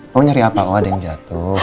mau nyari apa apa ada yang jatuh